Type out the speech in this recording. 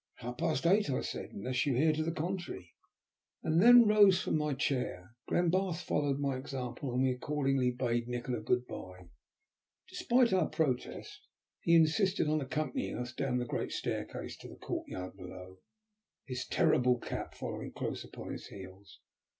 "At half past eight," I said, "unless you hear to the contrary," and then rose from my chair. Glenbarth followed my example, and we accordingly bade Nikola good bye. Despite our protest, he insisted on accompanying us down the great staircase to the courtyard below, his terrible cat following close upon his heels.